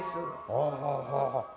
はあはあはあはあ。